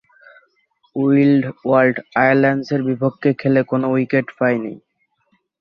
Windward আইল্যান্ডসের বিপক্ষে খেলে কোন উইকেট পাননি।